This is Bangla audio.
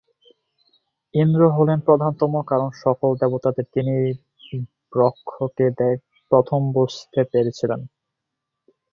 ইন্দ্র হলেন প্রধানতম, কারণ সকল দেবতাদের তিনিই ব্রহ্মকে প্রথম "বুঝতে" পেরেছিলেন।